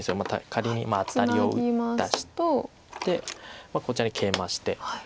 仮にアタリを打ったりしてこちらにケイマして。